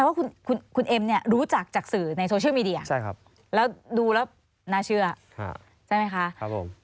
ว่าคุณเอ็มเนี่ยรู้จักจากสื่อในโซเชียลมีเดียแล้วดูแล้วน่าเชื่อใช่ไหมคะ